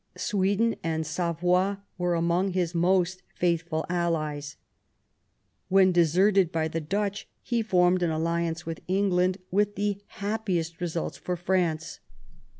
Sweden and Savoy were among his most faithful allies. When deserted by the Dutch he formed an alliance with England, with the happiest results for France.